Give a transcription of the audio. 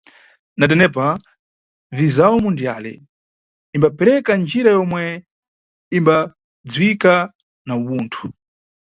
Na tenepa, Vizawu Mundiyale imbapereka njira yomwe imbadziwika na Uwunthu.